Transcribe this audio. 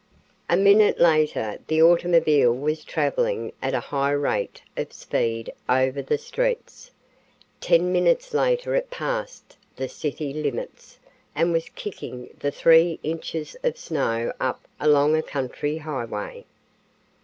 A minute later the automobile was traveling at a high rate of speed over the streets. Ten minutes later it passed the city limits and was kicking the three inches of snow up along a country highway.